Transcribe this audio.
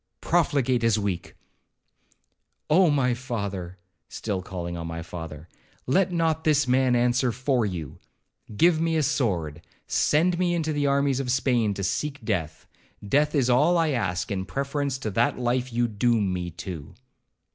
'Profligate as weak.' 'Oh! my father,' still calling on my father, 'let not this man answer for you. Give me a sword,—send me into the armies of Spain to seek death,—death is all I ask, in preference to that life you doom me to.'